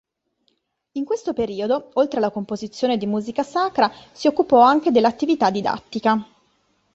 In questo periodo, oltre alla composizione di musica sacra, si occupò anche dell'attività didattica.